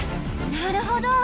なるほど。